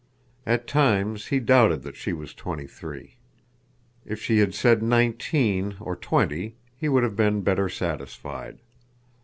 At times he doubted that she was twenty three. If she had said nineteen or twenty he would have been better satisfied.